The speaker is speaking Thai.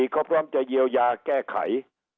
ก็พร้อมจะเยียวยาแก้ไข